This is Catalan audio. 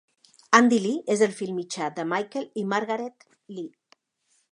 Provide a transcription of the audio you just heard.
Andy Lee és el fill mitjà de Michael i Margaret Lee.